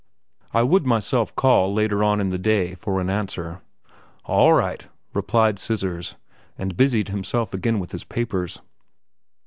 I would myself call later on in the day for an answer. "All right," replied "Scissors," and busied himself again with his papers.